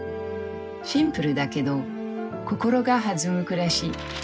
シンプルだけど心が弾む暮らし。